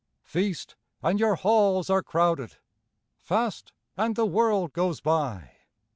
Feast, and your halls are crowded; Fast, and the world goes by.